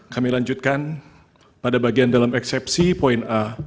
kami lanjutkan pada bagian dalam eksepsi poin a